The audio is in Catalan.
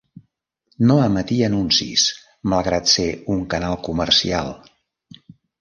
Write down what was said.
No emetia anuncis malgrat ser un canal comercial.